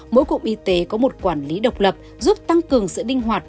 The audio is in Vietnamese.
mỗi cụm y tế có một quản lý độc lập giúp tăng cường sự đinh hoạt